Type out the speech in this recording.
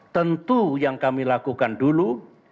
tentu yang kami lakukan dulu